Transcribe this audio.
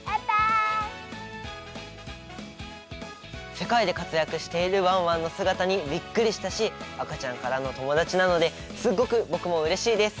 せかいでかつやくしているワンワンのすがたにびっくりしたしあかちゃんからのともだちなのですっごくぼくもうれしいです。